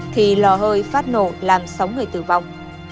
thì lò hơi phát nổ làm sáu người tử vong